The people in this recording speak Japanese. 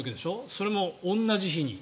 それも同じ日に。